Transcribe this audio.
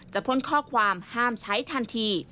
พ่นข้อความห้ามใช้ทันที